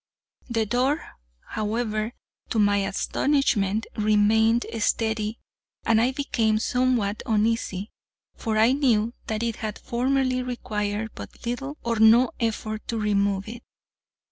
The door, however, to my astonishment, remained steady, and I became somewhat uneasy, for I knew that it had formerly required but little or no effort to remove it.